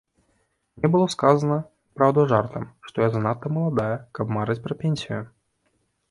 Мне было сказана, праўда, жартам, што я занадта маладая, каб марыць пра пенсію.